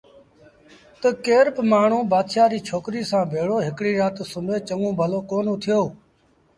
تا ڪير با مآڻهوٚٚݩ بآتشآ ريٚ ڇوڪريٚ سآݩ ڀيڙو هڪڙيٚ رآت سُمهي چڱون ڀلو اُٿيٚو